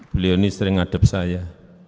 beliau ini sering ngadep saya